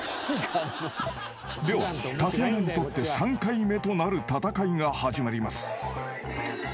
［では竹山にとって３回目となる戦いが始まります］